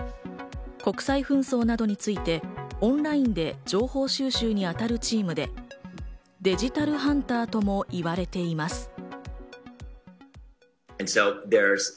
国際紛争などについてオンラインで情報収集にあたるチームで、デジタルハンターとも言われています。